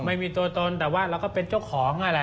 ไม่มีตัวตนแต่ว่าเราก็เป็นเจ้าของนั่นแหละ